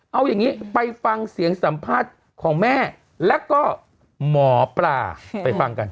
เอาอย่างนี้ไปฟังเสียงสัมภาษณ์ของแม่แล้วก็หมอปลาไปฟังกัน